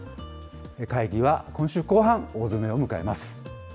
会議は今週後半、大詰めを迎えます。